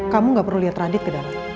kamu gak perlu lihat radit ke dalam